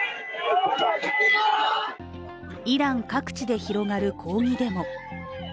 イラン各地で広がる抗議デモ。